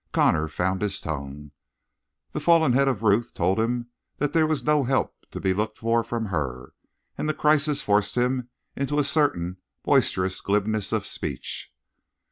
Connor found his tongue. The fallen head of Ruth told him that there was no help to be looked for from her, and the crisis forced him into a certain boisterous glibness of speech.